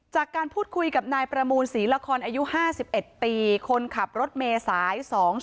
จากการพูดคุยกับนายประมูลศรีละครอายุ๕๑ปีคนขับรถเมษาย๒๔